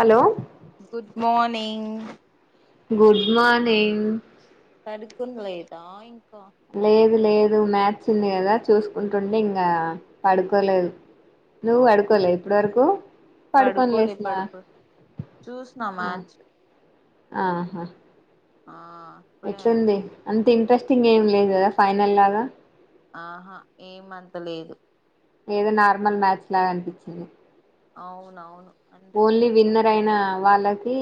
Hello good good morning ఇ అ అడుకు లేదాంకా లేదు లేదు మ్యాథ్స్ ఉంది కదా చూసుకుంటుంటే ఇంకా పడుకోలేదు నువ్వు అవును పడుకోలే ఇప్పుడు వరకు పడుకోలే పడుకోనలేసిన పడుకో చూసిన ఆ మ్యాచ్ ఆహా ఆ ఇప్పుడే ఎట్లుంది అంతే ఇంకా టెస్టింగ్ ఏం లేదు కదా ఫైనల్ లాగా ఆహా ఏమంత లేదు ఏదో నార్మల్ మచ్ అనిపిించది అవునవును అందుకే ఓన్లీ ఏమ విన్నర్ అయిన వాళ్ళకి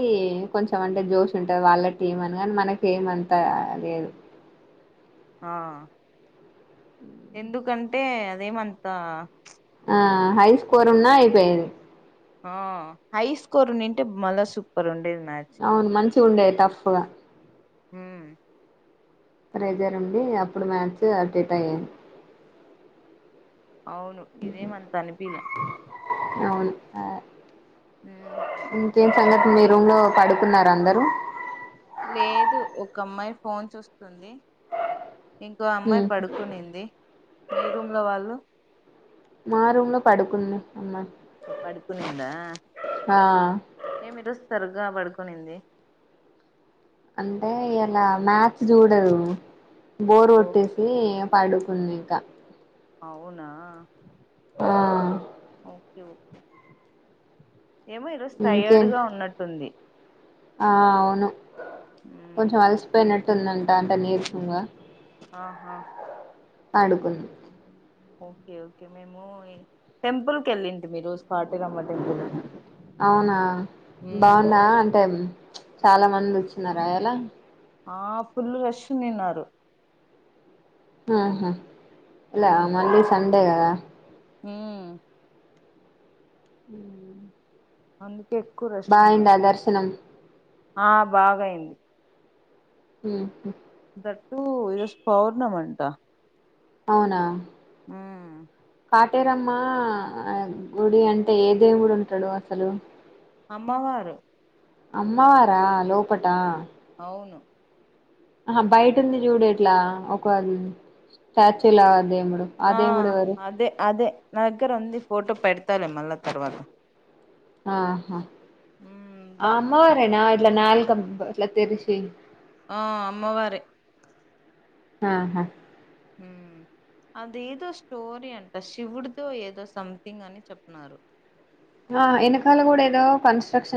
కొంచం అంటే జోష్ ఉంటుది వాళ్ళ టీం అనిగాని మనక ఏమంతా లేదు ఆ ఎందుకంటే అదేమంతా ఆ హై స్కోర్ ఉన్నా అయిపోయింది ఆ హై స్కోర్ నింటే మళ్ళా సూపర్ ఉండేది మ్యాచ్ అవును మన్ష ఉండేది తఫగా హ ట్రైజారంండి అప్పుడు మ్యాచ్ అటేట్ అయ్యాను అవును ఇదేమంత అనిపల ఆ కం సంగ మీరున్న పడుకున్నారు అందరూ లేదు ఒక అమ్మాయి ఫోన్ చూస్తుంది ఇంకో అమ్మాయి హ్మ్. పడుకునింది మీ రూమ్ లో వాళ్ళు మా రూమ్ లో పడుకుంది అమ్మాయి పడుకునింద ఆ ఏమిరుస్తారు గా పడుకనింది అంటే ఇలా మ్యాథ్స్ చూడదు బోర్ ఓ కొట్టేసి పడుకున్నా ఇంక అవునా ఓకేఓకే ఏమో ఈ రజు టయర్డ్ ఇంకేం గా ఉన్నట్టుంది ఆ అవును మ్ కొంచెం అలసిపోయినట్ తుందంటా అంటా నిర్సంగా ఆహా పడుకుంద్ ఓకే ఓకే మేము టెంపుల్ కి వెళ్ళింటి మీరు అవునా మ్ బాగుందా అంటే చాలా మంది వచ్చినార అయలా? ఆ ఫుల్లు రష్ నున్నారు ఆహా ఇలా మండే సండేగా కదా హమ్ హమ్ అన్ బాగాయిందా దర్శనం. ఆ బాగాయింది హమ్మ థాట్ టూ ఈరోజ్ పౌర్ణమంటా. అవునా హమ్ కాటేరమ్మ గుడి అంటే ఏ దేవుడు ఉంటాడు అసలు అమ్మవారే అమ్మవారా లోపటా అవును ఆ బయట ఉంది చూడు ఇట్ల ఒకది స్టాట్యూ లా వేముడు ఆ అదే [unintelligible] అదే అదే నా దగ్గర ఉంది ఫటో పెద్తలే మళ్ళా తర్వాత ఆహా మ్ బా ఆ అమ్మవారే నా ఇట్లా నాలికం ఇట్ల తెరిసి ఆ అమ్మవారే ఆహా ఉహ్ అదేదో స్టోరీ అంట శివుడితో ఏదో సంథింగ్ అని చెప్తున్నారు. ఆ ఎనకాల కూడా ఏదో కన్స్ట్రక్షన్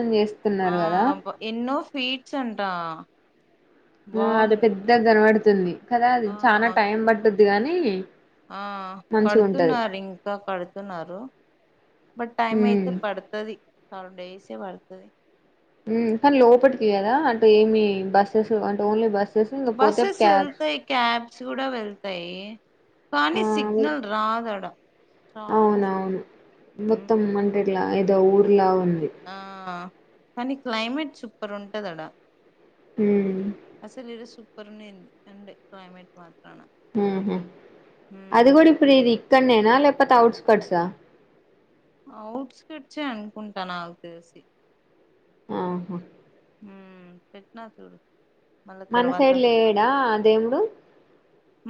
ఆ చేస్తున్నారు కదా ఎన్నో ఫీట్స్ అంట ఆ అది బాగుంది పెద్దగా కనవాడ్ తుంది కదా అది ఆ చనా టైం బట్టు గాని ఆ మంచిగా ఉంటది కడుతున్నారు ఇంకా కడుతున్నారు బట్ టైం ఉమ్ అయితే పడతది. చాలా డేస్ ఏ పాడ్తాది. హమ్ కానీ లోపటికీ కదా అంటే ఏమి బస్సెస్ అంటే ఓన్లీ బస్ బసస్ ఎల్తాయ్ క్యాబ్ చూడా వెళ్తాయి కానీ ఆ సిగ్నల్ రాదాడా చాలా అవునవును మొత్తం అంటే ఇట్లా ఊర్లా ఉన్ ఆహ్ కానీ క్లైమేట్ సూపర్ ఉంటదడా ఉమ్ అసలు ఇరోజ్ సు సూపర్ ఉన్నింది సండే క్లైమేట్ మాత్ర ఉహుమ్ అది కూడా ఇపుడ్ ఇది ఇక్కడ్నేన లే కపోతే ఔట్స్కోర్ట్ ఆహ్ అఔట్ స్కట్స్ఎహ్ అనుకుంటా నాకు తెలిసి ఆహా హమ్ పెట్నా చూడు మళ్ళా మన తర్వాత సైడ్ లేడా ఆహ్ దేవుడు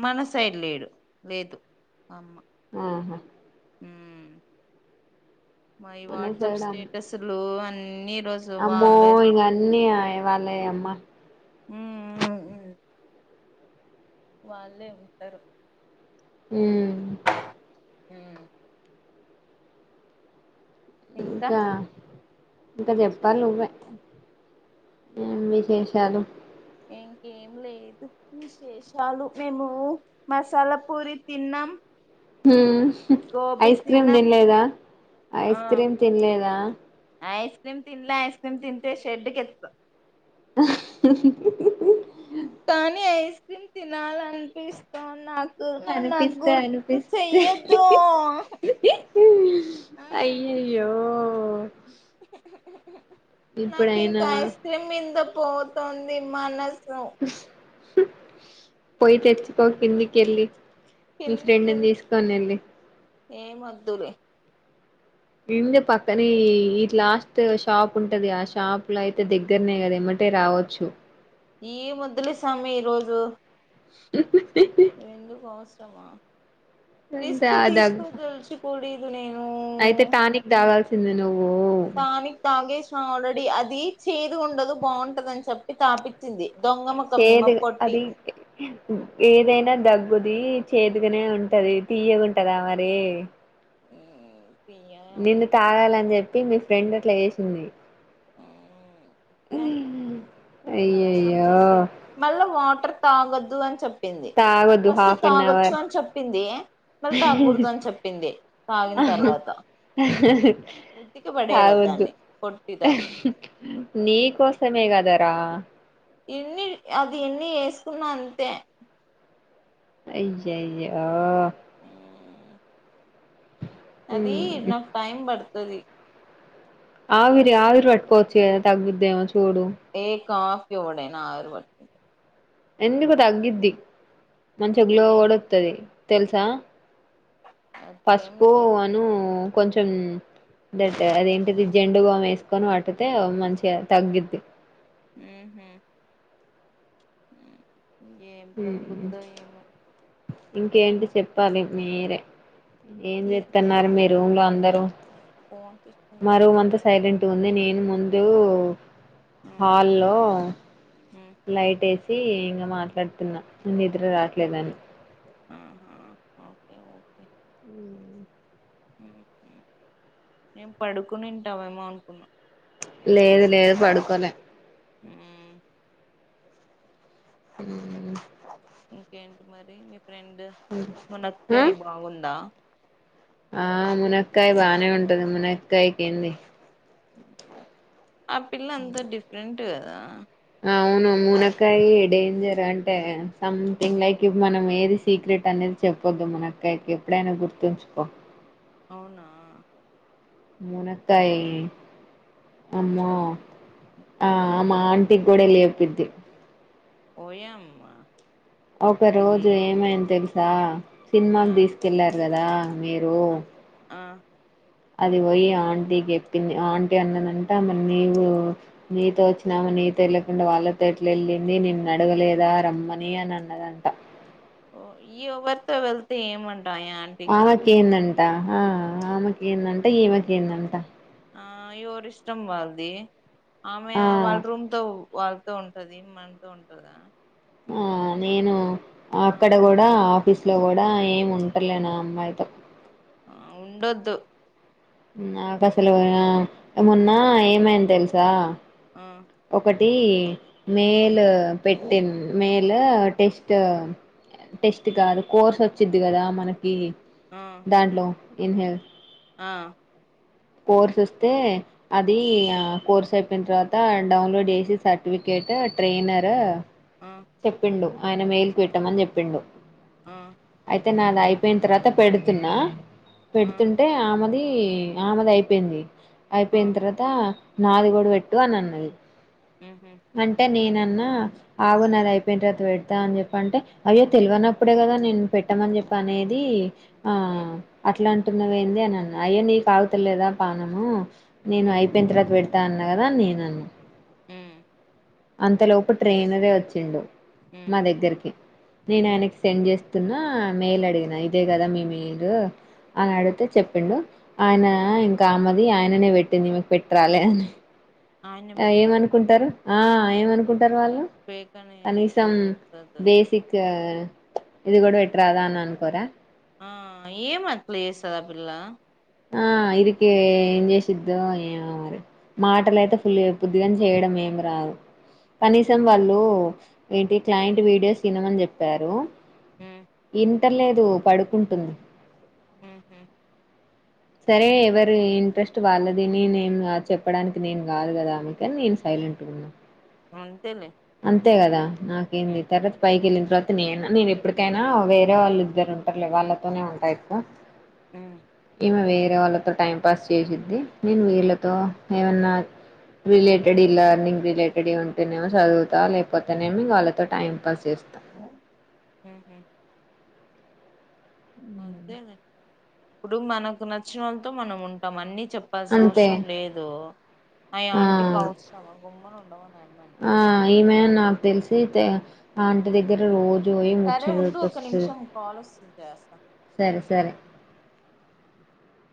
మన సైడ్ లేడు లేదు అమ్మ ఆహా హమ్ మాయి మన వాట్సాప్ సైడ్ అమ్ స్టేటస్లు అన్ని నీల్ అమ్మో ఇగా అన్ని అయ ఎ వాల్లే అమ్మా హమ్ వాళ్ళే ఉంటారు హమ్ హమ్ ఇంకా ఇంకా చెప్ చెప్పాలి నువ్వే ఏం విశేషాలు ఇంకేం లేదు విశేషాలు మేము మసాలా పూరి తిన్నాం ఉమ్ గోబీ ఐస్ క్రీమ్ తిన్నాం తినలేదా ఐస్ ఆ క్రీమ్ తినలేదా ఐస్ క్రీమ్ తిన్ల ఐస్ క్రీమ్ తింటే షెడ్ కెళ్త కానీ ఐస్ క్రీమ్ తినాలనిపిస్తోంద్నకు అనిపిస్తాయి అనిపిస్తే అయ్యాయే నాకి ఇంకా ఇప్పుడైనా ఐస్ క్రీమ్ మీంద పోతోంది మనసు హు పోయి తెరిచకో కింది గెల్లి మీ ఫ్రెండ్ని తీసుకొని వెళ్ళి ఏమోద్దులే ఇంటి పక్కనే ఇ లాస్ట్ షాప్ ఉంటది. ఆ షాప్ లో అయితే దగ్గరనే కదా ఏమటే రావచ్చు. ఏమొద్దులే స్వామి ఈరోజు [unintelligible] ఎందుకు అవసరమా అంత రిస్క్ తీసుకో దగ్గ తెలిచ కూడి బనే అయితే టానిక్ తాగాల్సిందె నువ్వు టానిక్ తాగేసిన ఆల్రెడీ అది చేది ఉండదు బాగుంటది. అని చెప్పి తాపచ్చింది. చేదు అది ఏదైనా దగ్ గుది చేదుగానే ఉంటది. తియ్యగుంటద మరి ఉ [unintelligible] నిన్ను తాగాలని చెప్పి మీ ఫ్రెండ్ అట్లా చే సింది. హె మోసం అయ్యయ్యో చేస్తారు మళ్ళా వాటర్ తాగద్దు అని చెప్ చెప్పింది తాగొద్దు ఫస్ట్ హాఫ్ అన్ తాగచ్చు అవర్ అని చెప్పింది. మరి తాగకూడదు అని చెప్పింది. తాగిన తర్వాత ఉతికి పడేయాలి తాగొద్దు దాన్ని పొట్టి దాన్ని. సమగదారా ఎన్ని అది ఎన్ని వేసుకున్నా అంతే అయ్యయ్యో అదీ నాకు టైమ్ పడుతు తుది ఆవిరి ఆవిరు వ కొచిగా తగుద్దే ఏమో చు గూడు ఏ కాఫీ ఓడైనా ఆవిరి ప ఎందుకు తగ్గిద్ది మంచి గ్లో ఏం కొడుత్తది. తెలుసా అట్లేం పసుపు లేదు అను కొంచెం దట్ అదేంటిది జెండుబామ్ వేసుకొని వాటితే మంచిగా తగ్గుద్ది. హ హ ఉ ఏం మ్మ్ తగ్గుద్దో ఏమో ఇంకేంటి చెప్పాలి మీరే ఈ ఏంచెతున్నారు మీరు? రూ లో అందరూ ఫోన్స్ ఇస్తున్నారు ఇ ఉంది నేను ముందు హా లో లైట్ వేసి ఇంకా మాట్లాడుతున్నా న నిద్ద్ర రాట్లేదని ఆా ఓకే ఓకే ఉ నేను పడుకుని ఇంటవేమో అనుకున్నా లేదు లేదు పడుకోలే ఆ హ ఇంకేంటి మరి మీ రెం ఆ మునకయి బాగుందా ఆ మునక్కాయ బానే ఉంటది మునక్కాయ కింది అ పిల్ల అంత డిఫరెంట్ ద అవును మునక్కయ డేంజర్ అంటే సంథింగ్ లైక్ మనం ఏది సీక్రెట్ అనేది చెప్పొద్దు మునక్కాయకి ఎప్పుడైనా గుర్తుంచుకో అవునా ఉనకాయి అమ ఆ ఆమ ఆంటీ కూడాడలి పెద్ద్ద పోయామ్మా ఒక రోజు ఏమైని తెలుసు ఆ సినిమాకి తీసుకెల్లా కదా మీరు ఆ ఆ అది పోయి ఆంటీకి చెప్పింది ఆంటీ అన్నదంట మరి నీవు నీతో వచ్చినామా నీతో వెళ్ళకుండా వాళ్ళతో ఎట్లా వెళ్ళింది నిన్ను నడగలేదా రమ్మని అని అన్నదంట ఓ ఈ ఎవరితో వెళ్తే ఏమంట ఆంటీకి ఆమెకి ఏందంట ఈమెకి ఏందంట ఆ ఎవరి ఇష్టం వాాలది ఆమే ఆ వడ రమ్ వాళ్ళతో ఉంటది మనతో ఉంటదా ఆ నేను ఆ అక్కడ కూడా ఆఫీస్లో కూడా ఏమి ఉంటర్లే నా అమ్మాయితో ఆ ఉండొద్దు నాకు అసలు మొన్న ఏమైంది తెలుసా ఆ టి మేల్ పెట్టి మేల్ టెస్ట్ టెస్ట్ కాదు కోర్స్ వచ్చిది కదా మనకి ఈ ఆ దాంలో ఇన్హెల్ ఆ పోర్ సస్తే అది ఉమ్, ఆ కోర్సేపు చెప్పిన తర్వాత డౌన్లోడ్ చేసి సర్టిఫికేట్ ట్రైనర్ ఆ తెప్పిడు ఆయన మెయిల్ క పెట్టమని చెప్పిండు ఆ అయితే నాది అయిపోయిన తర్వాత పెడుతున్నా ఆ పెడుతుంటే ఆమెది ఈ ఆమెది అయిపోయింది ఆ అయిపోయిన తర్వాతా నాదిగడు పెట్టు అని అన్నది ఉహు అంటే నేన న్నా ఆగు న అది అయిపోయిన తర్వాత పెడతా అని చెప్ప అంటే అయ్యో తెలివనప్పుడే కదా నేను పెట్టామని చెప్పి అనేది హ ఇట్లా అంటున్నావ ఏంది అని అన్నా అయ్య నీ కా తులేదా పనము నేను ఉ ఐపోయింత త పెడత దా అన్న కదా నేన అను అంతలోపు ట్రైన్దే వచ్చిండు ఉ మా దగ్గరికి నేను ఉ ఆయనకి సెండ్ చేస్తా న్నా మేల్ అడిగిన ఇదే కదా మీ మీరు అని అడిగితే చెప్పిండు ఆయన ఇంకా అమ్మది ఆయననే పెట్టింది మీకు పెట్టరాలి అని ఆయన్నే ఆ పెట్టినాడు ఏమనుకుంటారు ఆ ఏమనుకుంట స్తర్ వాళ్ళు ఫేక్ అని కనీసం ఈజీగొస్తది బేసిక్ ఇది కూడా పెట్టరాదా అని అనుకోరాా ఆ ఏ మాట్లు చేస్తారా పిల్ల ఆ ఇరికి ఏం చేసిద్దో ఏ మరి మాటలు అయితే ఫుల్ బుద్దిగా చేయడం ఏమి రాదు కనీసం వాళ్ళు ఏంటి క్లయింట్ వీడియోస్ తినమని చెప్పారు ఉమ్, ఇ పెట్టలేదు పడుకుంటుంది హ హమ్ సరే ఎవరి ఇంట్రెస్ట్ వాళ్ళదిని నేను కాదు చెప్పడానికి నేను కాదు కదా ఆమెక అని నేను సైలెంట్గా ఉన్నా అంతేలే అంతే కదా ఉమ్, నాకేంది తర్రత పైకెళ్ళింది రాతి నే నేను ఎప్పటికైనా వేరే వాళ్ళిద్దరు ఉంటారులే వాళ్ళతోనే ఉంటాయికు అ వేరే వాళ్ళతో టైం పాస్ చేసిద్ది ఇంక్ వీళ్ళతో ఏమన్నా రిలేటెడ్ ఇలా రిలేటెడ్ ఉంటేనేమో చదువు లేకపోతేనేమి వాళ్ళతో టైం పాస్ చేస్తాం హ అంతేలే ఇప్పుడు మనకు నచ్చినాలతో మనం ఉంటాం అన్ని చెప్పాల్సిన అంతే అవసరం లేదు ఆ ఆంటి కి అవసరమా గమ్మున ఉండమను అయమ్మని ఆ ఈమె నాకు తెలిసి ఆంటి దగ్గర రోజు పోయి సరే ముచ్చట ఉండు పెట్టి ఒక వస్తది నిమిషం కాల్ వస్తుంది చేసా సరే సరే